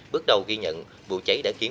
bước đầu ghi nhận vụ cháy đã kiến